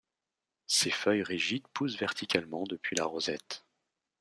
Ses feuilles rigides poussent verticalement depuis la rosette.